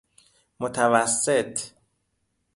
متوسط